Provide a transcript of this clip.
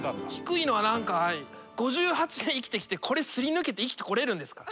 ５８年生きてきてこれすり抜けて生きてこれるんですか？